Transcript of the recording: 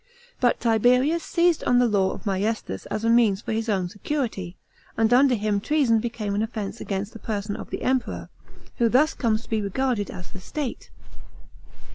But Tiberius seized on the law of m'iestas as a means for his own security ; and under him treason became an offence against the person of the Emperor, who thus comes to be regarded as the state.